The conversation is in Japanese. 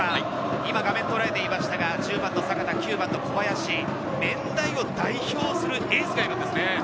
今、画面とらえていましたが、１０番の阪田、９番の小林、年代を代表するエースがいるんですね。